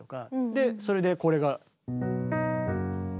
でそれでこれが。